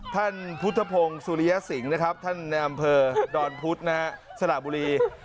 ท่านพุทธภงสุริยสิงฐ์ในอำเภอดอลพุธสระบุรี